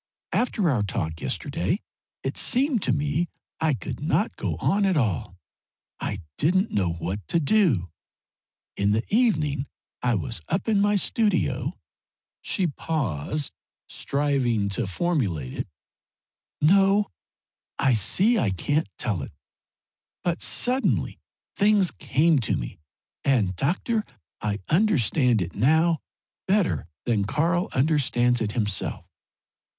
After our talk yesterday it seemed to me I could not go on at all. I didn't know what to do. In the evening I was up in my studio " she paused, striving to formulate it, "No, I see I can't tell it, but suddenly things came to me, and, doctor, I understand it now better than Karl understands it himself."